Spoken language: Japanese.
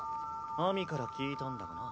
秋水から聞いたんだがな。